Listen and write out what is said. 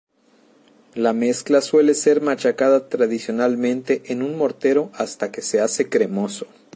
La mezcla suele ser machacada tradicionalmente en un mortero hasta que se hace cremoso.